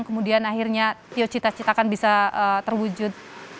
kemudian akhirnya tio cita citakan bisa terwujud